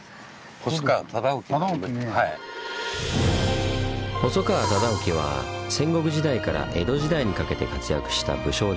細川忠興は戦国時代から江戸時代にかけて活躍した武将です。